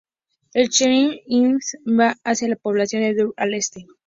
El chemin Ingalls va hacia la población de Dunkin al este.